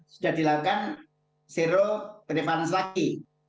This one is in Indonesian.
sudah dilakukan sirup penipuan selaki